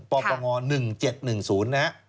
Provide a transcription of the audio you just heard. ปปง๑๗๑๐นะครับ